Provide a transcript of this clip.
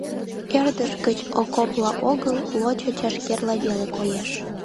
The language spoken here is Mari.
Ӧрдыж гыч окопла огыл, лочо чашкерла веле коеш.